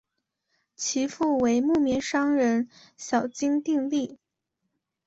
其父为木棉商人小津定利。